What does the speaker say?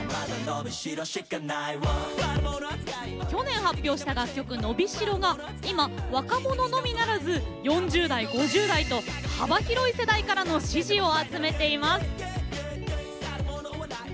去年発表した楽曲「のびしろ」が今、若者のみならず４０代、５０代と幅広い世代からの支持を集めています。